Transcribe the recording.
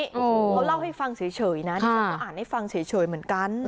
เขาเล่าให้ฟังเฉยนะดิฉันก็อ่านให้ฟังเฉยเหมือนกัน